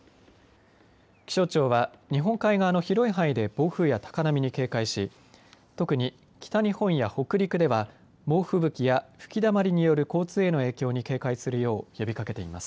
気象庁は日本海側の広い範囲で暴風や高波に警戒し特に北日本や北陸では猛吹雪や吹きだまりによる交通への影響に警戒するよう呼びかけています。